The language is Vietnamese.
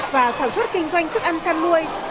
và sản xuất kinh doanh thức ăn chăn nuôi